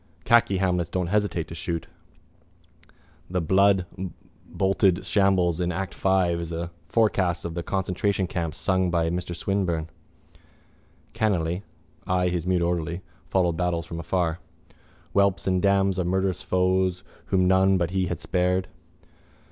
Khaki Hamlets don't hesitate to shoot. The bloodboltered shambles in act five is a forecast of the concentration camp sung by Mr Swinburne. Cranly, I his mute orderly, following battles from afar. Whelps and dams of murderous foes whom none But we had spared...